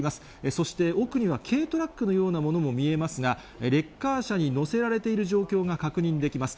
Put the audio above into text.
そして奥には軽トラックのようなものも見えますが、レッカー車に載せられている状況が確認できます。